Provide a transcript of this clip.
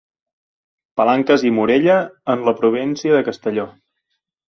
Palanques i Morella en la província de Castelló.